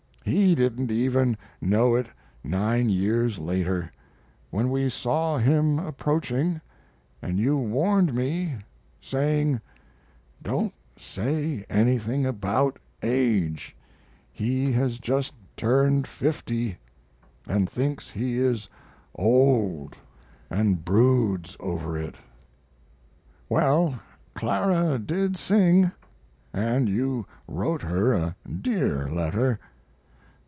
He didn't even know it 9 years later, when we saw him approaching and you warned me, saying: "Don't say anything about age he has just turned 50 & thinks he is old, & broods over it." Well, Clara did sing! And you wrote her a dear letter.